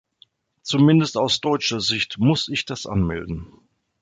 Zumindest aus deutscher Sicht muss ich das anmelden.